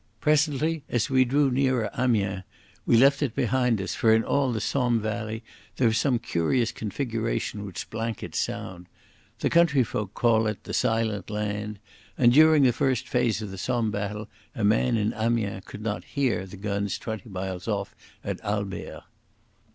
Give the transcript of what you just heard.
Presently, as we drew nearer Amiens, we left it behind us, for in all the Somme valley there is some curious configuration which blankets sound. The countryfolk call it the "Silent Land", and during the first phase of the Somme battle a man in Amiens could not hear the guns twenty miles off at Albert.